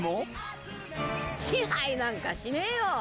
支配なんかしねえよ！